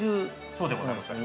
◆そうでございますよ。